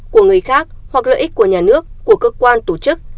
của người khác hoặc lợi ích của nhà nước của cơ quan tổ chức